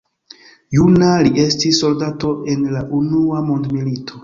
Juna, li estis soldato en la Unua Mondmilito.